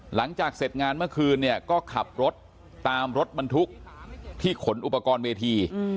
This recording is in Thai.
หลังจากเสร็จงานเมื่อคืนเนี่ยก็ขับรถตามรถบรรทุกที่ขนอุปกรณ์เวที